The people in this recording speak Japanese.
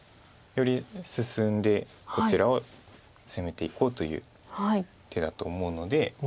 より進んでこちらを攻めていこうという手だと思うので。